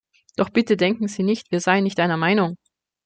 Doch bitte denken Sie nicht, wir seien nicht einer Meinung.